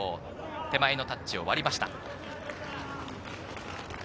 手前のタッチを割りました。